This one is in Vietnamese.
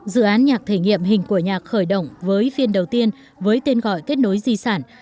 dự án nhạc thể nghiệm hình của nhạc khởi động với phiên đầu tiên với tên gọi kết nối di sản